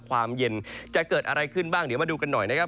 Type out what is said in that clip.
ความเย็นจะเกิดอะไรขึ้นบ้างเดี๋ยวมาดูกันหน่อยนะครับ